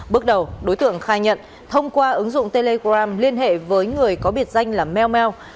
bước đầu đối tượng khai nhận thông qua ứng dụng telegram liên hệ với người có biệt danh là mel